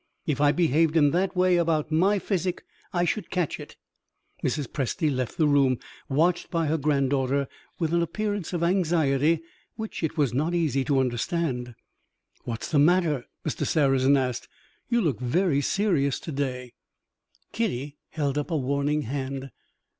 If I behaved in that way about my physic, I should catch it." Mrs. Presty left the room; watched by her granddaughter with an appearance of anxiety which it was not easy to understand. "What's the matter?" Mr. Sarrazin asked. "You look very serious to day." Kitty held up a warning hand.